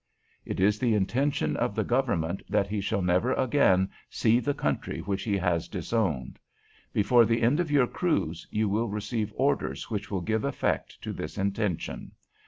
"It is the intention of the Government that he shall never again see the country which he has disowned. Before the end of your cruise you will receive orders which will give effect to this intention.